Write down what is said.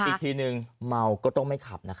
อีกทีนึงเมาก็ต้องไม่ขับนะครับ